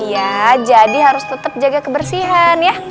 iya jadi harus tetap jaga kebersihan ya